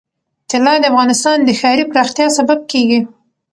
طلا د افغانستان د ښاري پراختیا سبب کېږي.